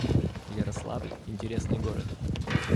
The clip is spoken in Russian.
Ярославль — интересный город